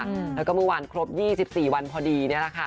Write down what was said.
แล้วก็เมื่อวานครบ๒๔วันพอดีนี่แหละค่ะ